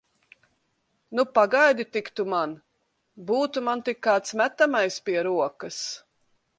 Nu, pagaidi tik tu man! Būtu man tik kāds metamais pie rokas!